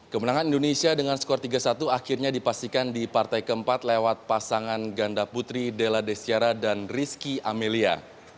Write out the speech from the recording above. kemenangan indonesia dengan skor tiga satu akhirnya dipastikan di partai keempat lewat pasangan ganda putri della desiara dan rizky amelia